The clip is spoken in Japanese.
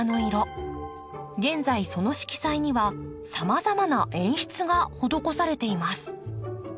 現在その色彩にはさまざまな演出が施されています。